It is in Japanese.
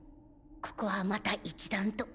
ここはまた一段と。